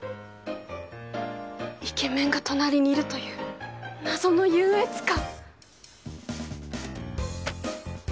イケメンが隣にいるという謎の優越感。